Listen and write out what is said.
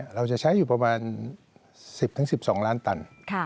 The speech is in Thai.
เราจะใช้อยู่ประมาณ๑๐๑๒ล้านตัน